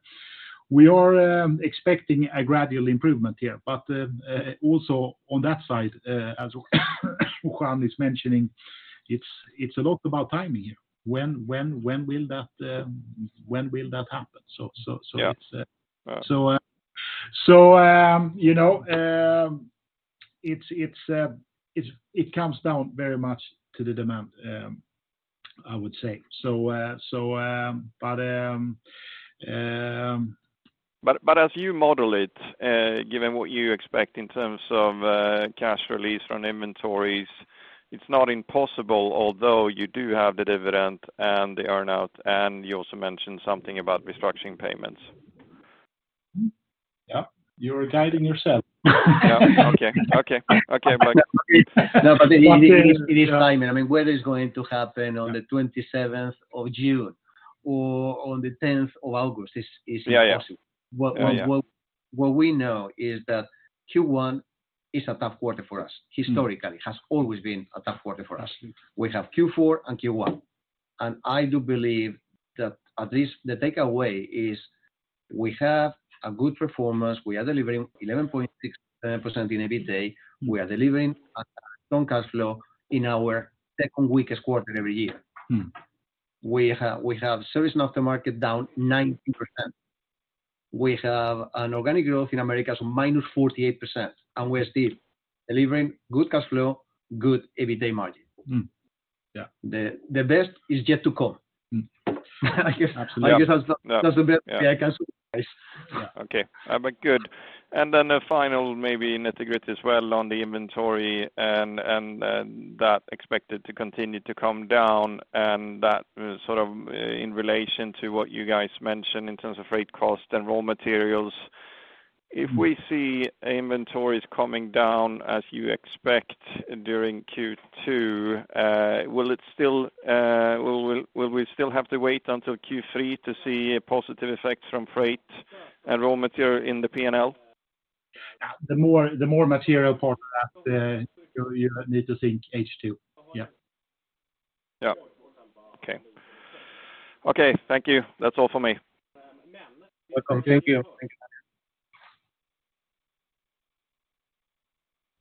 expecting a gradual improvement here. Also on that side, as Juan is mentioning, it's a lot about timing here. When will that happen? It's- Yeah. You know, it comes down very much to the demand, I would say. As you model it, given what you expect in terms of cash release from inventories, it's not impossible although you do have the dividend and the earn-out, and you also mentioned something about restructuring payments. Yeah. You are guiding yourself. Yeah. Okay. No, but it is timing. I mean, whether it's going to happen on the 27th of June or on the 10th of August is impossible. Yeah, yeah. What we know is that Q1 is a tough quarter for us. Historically, it has always been a tough quarter for us. We have Q4 and Q1, and I do believe that at least the takeaway is we have a good performance. We are delivering 11.6% in EBITA. We are delivering a strong cash flow in our second weakest quarter every year. Mm. We have service and aftermarket down 19%. We have an organic growth in Americas -48%. We're still delivering good cash flow, good EBITA margin. Mm. Yeah. The best is yet to come. Absolutely. I guess that's the best I can say. Okay. But good. Then a final maybe nitty-gritty as well on the inventory and that expected to continue to come down and that sort of in relation to what you guys mentioned in terms of freight cost and raw materials. If we see inventories coming down as you expect during Q2, will it still, will we still have to wait until Q3 to see a positive effect from freight and raw material in the P&L? The more material for that, you need to think H2. Yeah. Yeah. Okay. Okay, thank you. That's all for me. Welcome. Thank you.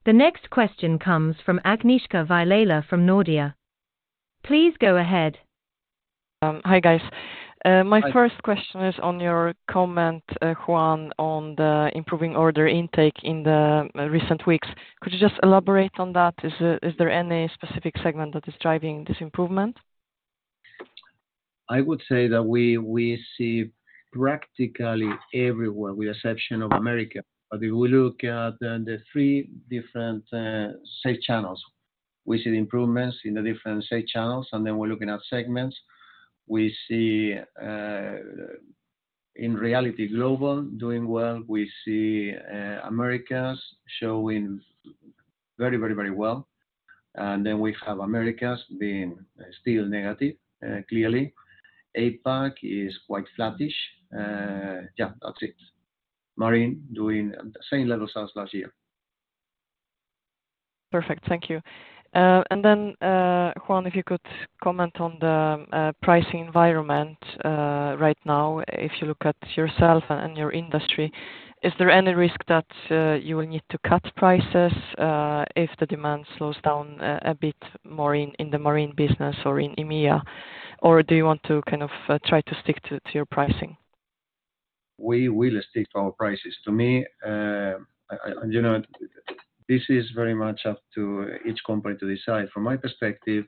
The next question comes from Agnieszka Vilela from Nordea. Please go ahead. Hi, guys. Hi. My first question is on your comment, Juan, on the improving order intake in the recent weeks. Could you just elaborate on that? Is there any specific segment that is driving this improvement? I would say that we see practically everywhere with the exception of Americas. If you look at the three different sales channels, we see improvements in the different sales channels. We're looking at segments. We see in reality Global doing well. We see Americas showing very well. We have Americas being still negative, clearly. APAC is quite flattish. Yeah, that's it. Marine doing same level sales last year. Perfect. Thank you. Juan, if you could comment on the pricing environment right now, if you look at yourself and your industry. Is there any risk that you will need to cut prices if the demand slows down a bit more in the Marine business or in EMEA? Or do you want to kind of try to stick to your pricing? We will stick to our prices. To me, you know, this is very much up to each company to decide. From my perspective,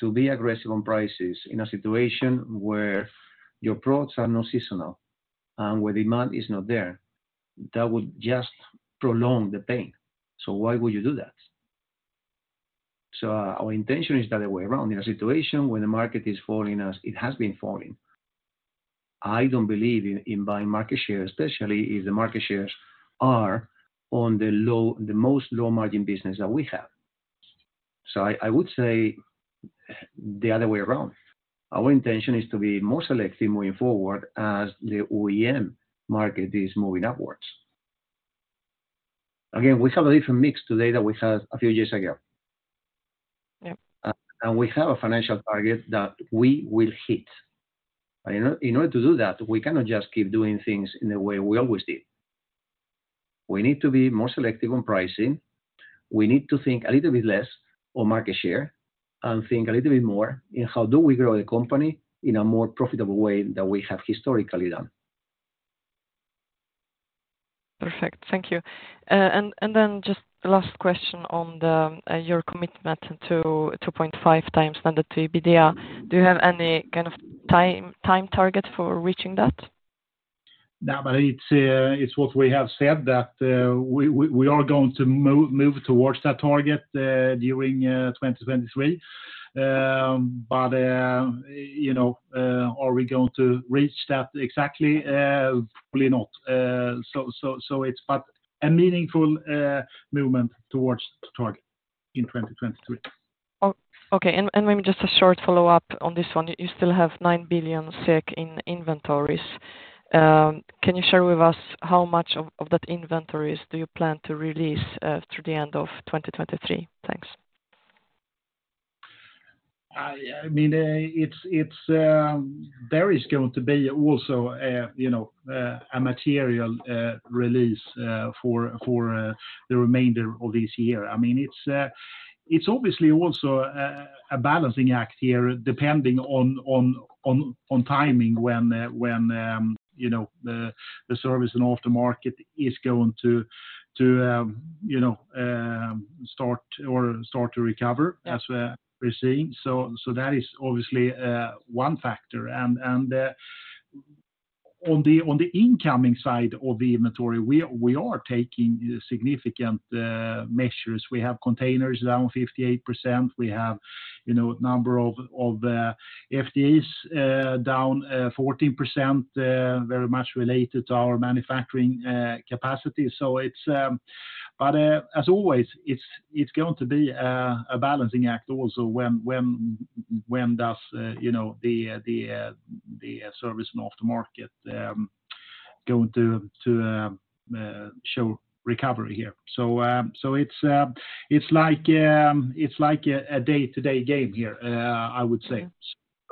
to be aggressive on prices in a situation where your products are not seasonal and where demand is not there, that would just prolong the pain. Why would you do that? Our intention is the other way around. In a situation where the market is falling as it has been falling, I don't believe in buying market share, especially if the market shares are on the low, the most low margin business that we have. I would say the other way around. Our intention is to be more selective moving forward as the OEM market is moving upwards. Again, we have a different mix today than we had a few years ago. Yep. We have a financial target that we will hit. In order to do that, we cannot just keep doing things in the way we always did. We need to be more selective on pricing. We need to think a little bit less on market share and think a little bit more in how do we grow the company in a more profitable way than we have historically done. Perfect. Thank you. Then just last question on the your commitment to 2.5x standard EBITDA. Do you have any kind of time target for reaching that? It's what we have said that we are going to move towards that target during 2023. You know, are we going to reach that exactly? Probably not. It's but a meaningful movement towards the target in 2023. Okay. Maybe just a short follow-up on this one. You still have 9 billion in inventories. Can you share with us how much of that inventories do you plan to release through the end of 2023? Thanks. I mean, there is going to be also a, you know, a material release for the remainder of this year. I mean, it's obviously also a balancing act here depending on timing when, you know, the service and aftermarket is going to, you know, start or start to recover as we're seeing. That is obviously one factor. On the incoming side of the inventory, we are taking significant measures. We have containers down 58%. We have, you know, number of FTEs down 14%, very much related to our manufacturing capacity. It's. As always, it's going to be a balancing act also when does, you know, the service and aftermarket going to show recovery here. It's like a day-to-day game here, I would say.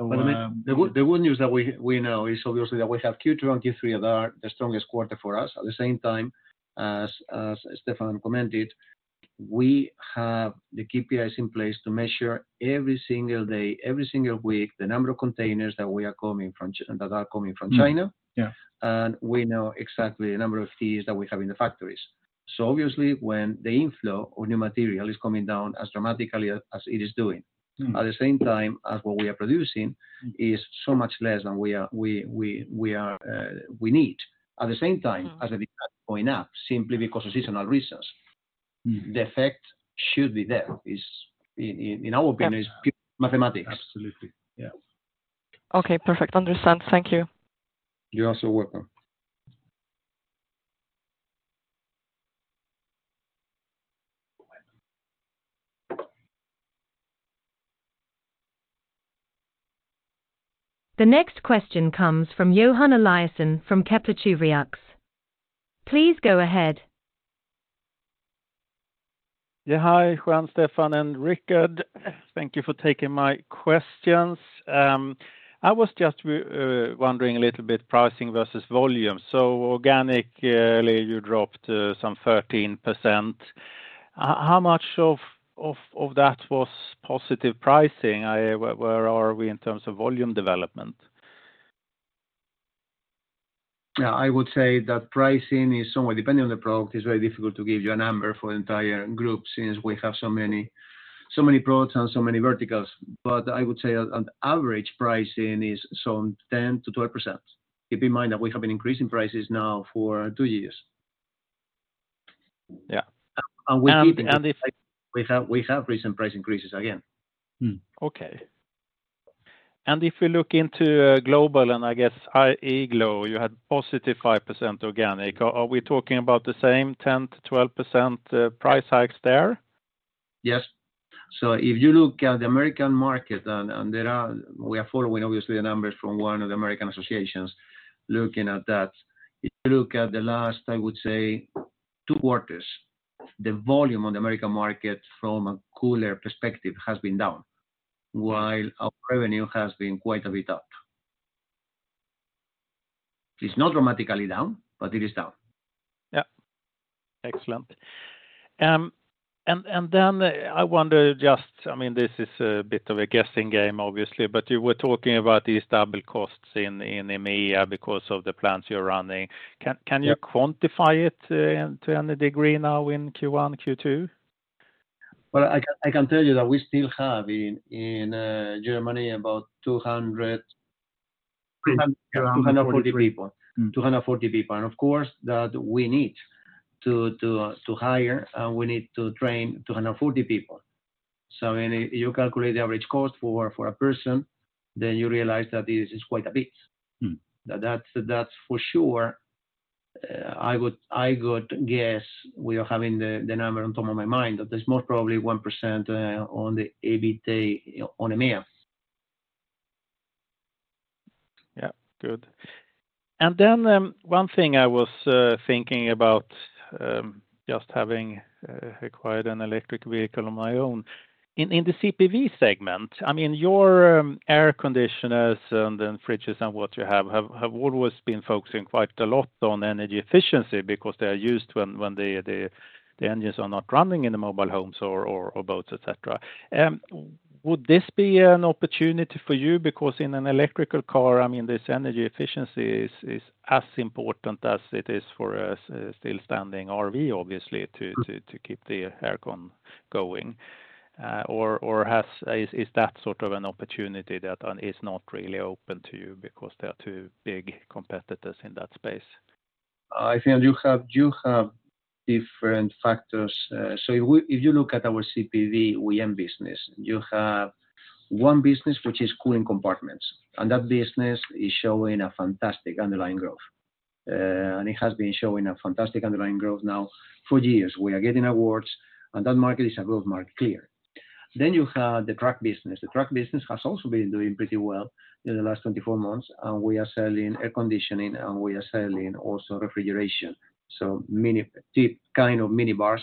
I mean, the good news that we know is obviously that we have Q2 and Q3 are the strongest quarter for us. At the same time, as Stefan commented, we have the KPIs in place to measure every single day, every single week, the number of containers that we are coming from that are coming from China. Mm-hmm. Yeah. We know exactly the number of FTEs that we have in the factories. Obviously, when the inflow of new material is coming down as dramatically as it is doing... Mm-hmm... at the same time as what we are producing is so much less than we are, we are, we need. At the same time as the going up simply because of seasonal reasons. Mm-hmm. The effect should be there. Is in our opinion- Yeah it's pure mathematics. Absolutely. Yeah. Okay. Perfect. Understand. Thank you. You're also welcome. The next question comes from Johan Eliason from Kepler Cheuvreux. Please go ahead. Yeah. Hi, Juan, Stefan, and Rikard. Thank you for taking my questions. I was just wondering a little bit pricing versus volume. Organically, you dropped, some 13%. How much of that was positive pricing? Where are we in terms of volume development? Yeah. I would say that pricing is somewhere, depending on the product, it's very difficult to give you a number for the entire group since we have so many, so many products and so many verticals. I would say an average pricing is some 10%-12%. Keep in mind that we have been increasing prices now for two years. Yeah. And we keep- And, and if- We have recent price increases again. Mm-hmm. Okay. If you look into Global, and I guess Igloo, you had positive 5% organic. Are we talking about the same 10%-12% price hikes there? Yes. If you look at the American market and we are following obviously the numbers from one of the American associations looking at that. If you look at the last, I would say two quarters, the volume on the American market from a cooler perspective has been down, while our revenue has been quite a bit up. It is not dramatically down, but it is down. Yeah. Excellent. Then I wonder just... I mean, this is a bit of a guessing game obviously, but you were talking about these double costs in EMEA because of the plants you're running. Yeah can you quantify it, to any degree now in Q1, Q2? Well, I can tell you that we still have in Germany about 200. 240 people. 240 people. 240 people. Of course that we need to hire, and we need to train 240 people. When you calculate the average cost for a person, then you realize that this is quite a bit. Mm-hmm. That's for sure. I would guess we are having the number on top of my mind, that there's most probably 1% on the EBITA on EMEA. Yeah. Good. Then, one thing I was thinking about, just having acquired an electric vehicle of my own. In the CPV segment, I mean, your air conditioners and fridges and what you have always been focusing quite a lot on energy efficiency because they are used when the engines are not running in the mobile homes or boats, et cetera. Would this be an opportunity for you? Because in an electrical car, I mean, this energy efficiency is as important as it is for a still standing RV, obviously, to keep the air con going. Or Is that sort of an opportunity that is not really open to you because there are two big competitors in that space? I think you have different factors. If you look at our CPV OEM business, you have one business which is cooling compartments, and that business is showing a fantastic underlying growth. It has been showing a fantastic underlying growth now for years. We are getting awards, that market is a growth market, clear. You have the truck business. The truck business has also been doing pretty well in the last 24 months, and we are selling air conditioning, and we are selling also refrigeration. The kind of mini bars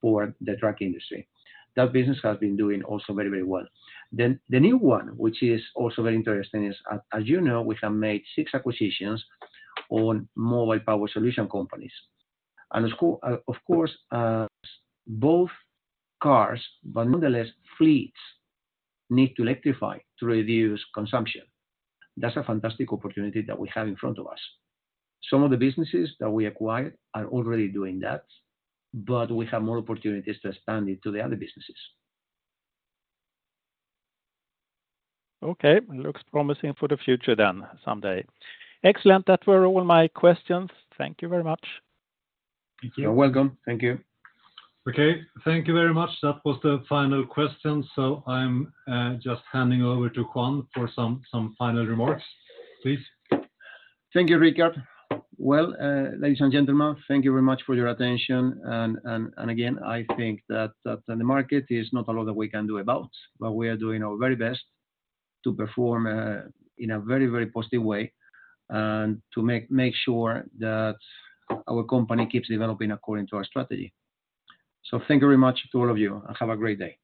for the truck industry. That business has been doing also very, very well. The new one, which is also very interesting, is as you know, we have made six acquisitions on Mobile Power Solutions companies. Of course, both cars. Nonetheless, fleets need to electrify to reduce consumption. That's a fantastic opportunity that we have in front of us. Some of the businesses that we acquired are already doing that. We have more opportunities to expand it to the other businesses. Okay. Looks promising for the future then someday. Excellent. That were all my questions. Thank you very much. You're welcome. Thank you. Okay. Thank you very much. That was the final question, so I'm just handing over to Juan for some final remarks, please. Thank you, Rikard. Well, ladies and gentlemen, thank you very much for your attention. Again, I think that in the market is not a lot that we can do about, but we are doing our very best to perform in a very positive way and to make sure that our company keeps developing according to our strategy. Thank you very much to all of you and have a great day.